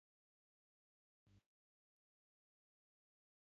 Què li va passar al noguer?